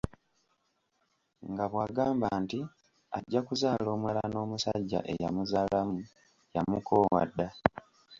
Nga bw’agamba nti ajja kuzaala omulala n’omusajja eyamuzaalamu yamukoowa dda.